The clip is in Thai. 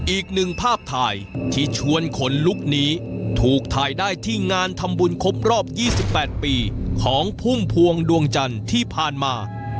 อีกหนึ่งภาพถ่ายที่ชวนขนลุกนี้ถูกถ่ายได้ที่งานทำบุญครบรอบ๒๘ปีของพุ่มพวงดวงจันทร์ที่ผ่านมา